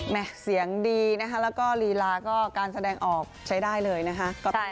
เสียงดีนะคะแล้วก็ลีลาก็การแสดงออกใช้ได้เลยนะคะ